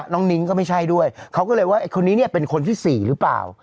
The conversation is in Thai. นิ้งก็ไม่ใช่ด้วยเขาก็เลยว่าไอ้คนนี้เนี่ยเป็นคนที่๔หรือเปล่า